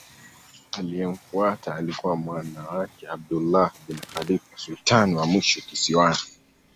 Aliyemfuata alikuwa mwana wake Abdullah bin Khalifa sultani wa mwisho kisiwani.